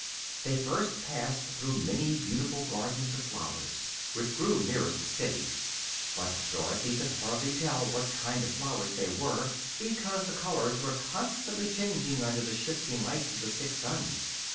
They first passed through many beautiful gardens of flowers, which grew nearest the city; but Dorothy could hardly tell what kind of flowers they were, because the colors were constantly changing under the shifting lights of the six suns.